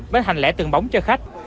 bến hành lẻ từng bóng cho khách